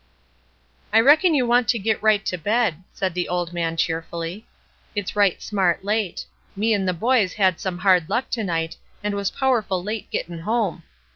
"I reckon you want to git right to bed," said the old man, cheerfully. ''It's right smart late; me and the boys had some hard luck to night and was powerful late gettin' home.